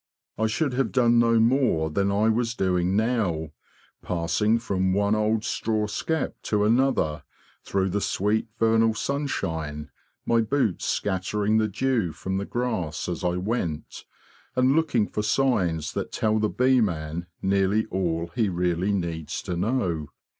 I should have done no more than I was doing now—passing from one old straw skep to another through the sweet vernal sunshine, my boots scattering the dew from the grass as I went, and looking for signs that tell the bee man nearly all he really needs to know.